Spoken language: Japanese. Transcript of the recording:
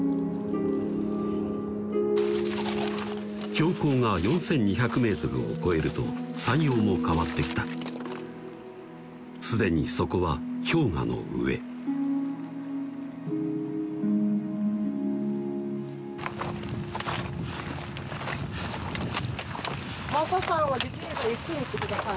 標高が４，２００ｍを超えると山容も変わってきた既にそこは氷河の上マサさんはできればゆっくり行ってください